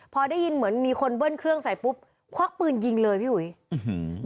พอได้ยินเหมือนมีคนเบิ้ลเครื่องใส่ปุ๊บควักปืนยิงเลยพี่อุ๋ยอื้อหือ